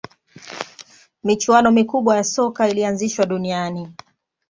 michuano mikubwa ya soka ilianzishwa duniani